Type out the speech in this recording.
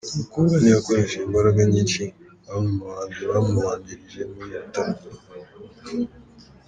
Uyu mukobwa ntiyakoresheje imbaraga nyinshi nka bamwe mu bahanzi bamubanjirije muri ibi bitaramo.